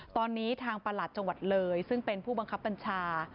ตอนนี้ทางประหลัดจังหวัดเลยซึ่งเป็นผู้บังคับบัญชา